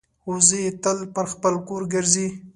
وزې تل پر خپل کور ګرځي